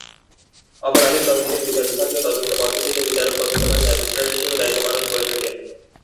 অপরাধের তদন্তের বিচার বিভাগীয় তদন্ত পদ্ধতিতে বিচারক তদন্তকারী ম্যাজিস্ট্রেট হিসেবে দায়িত্ব পালন করে থাকেন।